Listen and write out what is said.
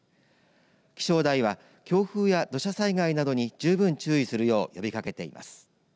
気象台は、強風や土砂災害などに十分注意するよう呼びかけています。